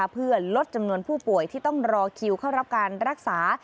เพื่อลดจำนวนผู้ป่วยที่ต้องรอคิวเข้ารับการรักษา